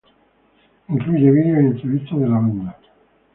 Incluye videos y entrevistas de la banda.